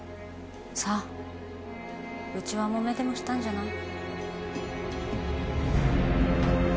さあ内輪もめでもしたんじゃない？